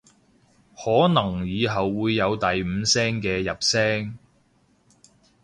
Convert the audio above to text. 可能以後會有第五聲嘅入聲